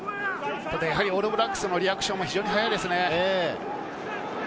オールブラックスのリアクションも非常に早いですね。